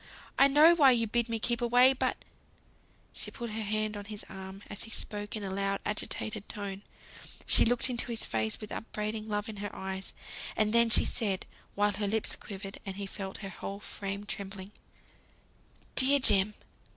I know why you bid me keep away, but " She put her hand on his arm, as he spoke in a loud agitated tone; she looked into his face with upbraiding love in her eyes, and then she said, while her lips quivered, and he felt her whole frame trembling: "Dear Jem!